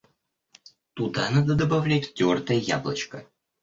Туда надо добавлять тертое яблочко.